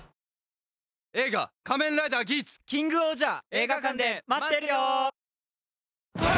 映画館で待ってるよ！